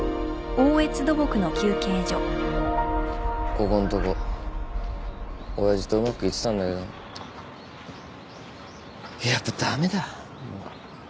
ここんとこ親父とうまくいってたんだけどやっぱ駄目だもう。